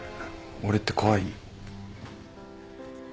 俺って怖い？